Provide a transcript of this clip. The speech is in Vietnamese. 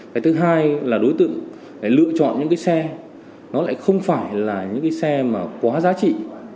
cái thứ hai là đối tượng lựa chọn những cái xe nó lại không phải là những cái xe mà quá giá trị